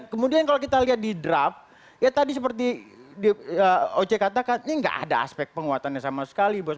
kemudian kalau kita lihat di draft ya tadi seperti oce katakan ini nggak ada aspek penguatannya sama sekali bos